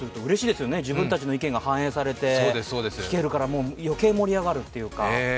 ファンの皆さんからするとうれしいですよね、自分たちの意見が反映されて、聴けるから余計盛り上がるっていうか。